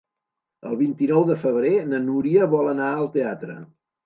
El vint-i-nou de febrer na Núria vol anar al teatre.